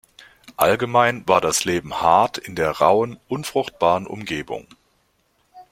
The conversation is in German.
Allgemein war das Leben hart in der rauen, unfruchtbaren Umgebung.